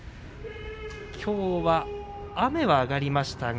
きょうは、雨は上がりました。